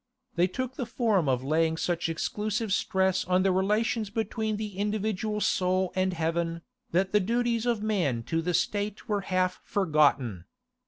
They took the form of laying such exclusive stress on the relations between the individual soul and heaven, that the duties of man to the State were half forgotten.